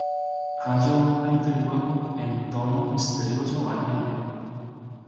calla un momento y luego, en tono misterioso , añade: